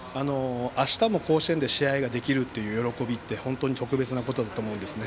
あしたも甲子園でできるという喜びって本当に特別なことだと思うんですね。